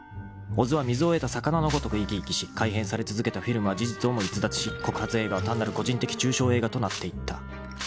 ［小津は水を得た魚のごとく生き生きし改変され続けたフィルムは事実をも逸脱し告発映画は単なる個人的中傷映画となっていった］